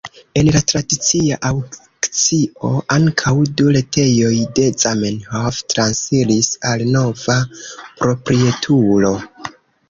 En la tradicia aŭkcio ankaŭ du leteroj de Zamenhof transiris al nova proprietulo.